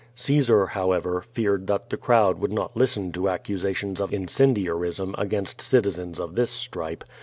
Caesar, however, feared that llie crowd would not listen to accusations of incendiarism against cilizeus of this slrii)e.